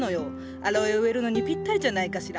アロエを植えるのにぴったりじゃないかしら。